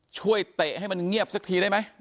เตะให้มันเงียบสักทีได้ไหม